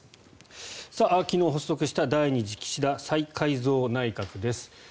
昨日発足した第２次岸田再改造内閣です。